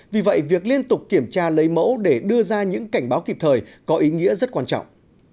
vì vậy việc liên tục kiểm tra lấy mẫu để đưa ra những cảnh báo kịp thời có ý nghĩa rất quan trọng